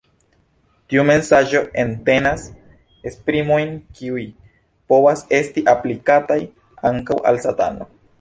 Tiu mesaĝo entenas esprimojn kiuj povas esti aplikataj ankaŭ al Satano.